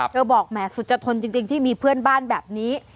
บอกแหมสุจทนจริงที่มีเพื่อนบ้านแบบนี้